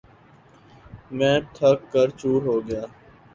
میں تھک کر چُور ہوگیا